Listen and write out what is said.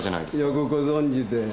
よくご存じで。